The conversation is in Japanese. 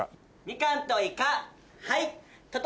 はい！